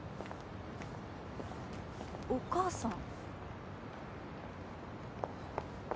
お母さん。